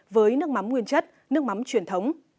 với nước mắm nguyên chất nước mắm truyền thống